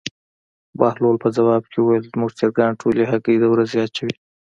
بهلول په ځواب کې وویل: زموږ چرګان ټولې هګۍ د ورځې اچوي.